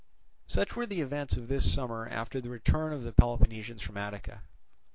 Such were the events of this summer after the return of the Peloponnesians from Attica.